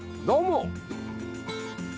どうも！